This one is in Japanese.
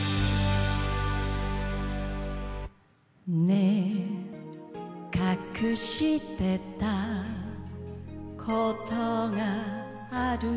「ねぇ隠してたことがある」